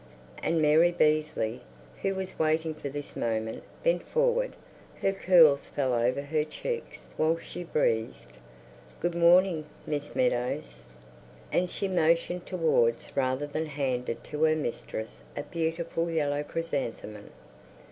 And Mary Beazley, who was waiting for this moment, bent forward; her curls fell over her cheeks while she breathed, "Good morning, Miss Meadows," and she motioned towards rather than handed to her mistress a beautiful yellow chrysanthemum.